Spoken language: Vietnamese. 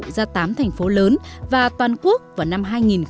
ra tám thành phố lớn và toàn quốc vào năm hai nghìn một mươi chín